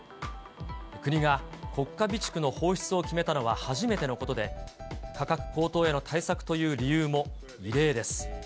国が国家備蓄の放出を決めたのは初めてのことで、価格高騰への対策という理由も異例です。